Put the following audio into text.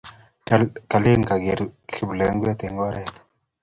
Kalen kageer kiplengwet eng oret